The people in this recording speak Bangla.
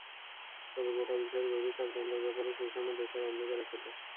তবে গোটা বিষয়ের গভীর চক্রান্তের ব্যাপারে সুসান ও বেকার অন্ধকারে ছিল।